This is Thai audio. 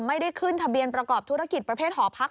ไม่ได้ขึ้นทะเบียนประกอบธุรกิจประเภทหอพัก